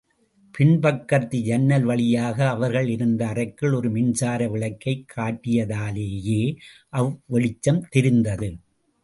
பின் பக்கத்து ஜன்னல் வழியாக அவர்கள் இருந்த அறைக்குள் ஒரு மின்சார விளக்கைக் காட்டியதாலேயே அவ்வெளிச்சம் தெரிந்தது.